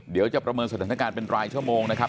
ประเมินสถานการณ์เป็นรายชั่วโมงนะครับ